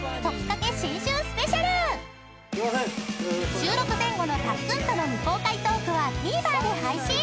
［収録前後のタックンとの未公開トークはＴＶｅｒで配信］